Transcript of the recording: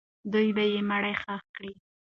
دوی به یې مړی ښخ کړي.